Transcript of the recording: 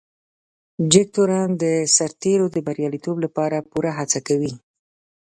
جګتورن د سرتیرو د بريالیتوب لپاره پوره هڅه کوي.